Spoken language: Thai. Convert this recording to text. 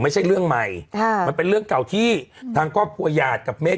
ไม่ใช่เรื่องใหม่ค่ะมันเป็นเรื่องเก่าที่ทางครอบครัวหยาดกับเมฆ